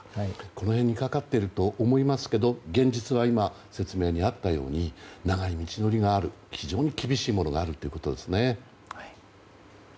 この辺にかかっていると思いますけど、現実は今説明にあったとおり長い道のりがある非常に厳しいものがあるということですね。